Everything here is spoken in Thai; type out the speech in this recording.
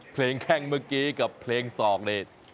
เพลงแค่งเมื่อกี้กับเพลงศอกเนี่ย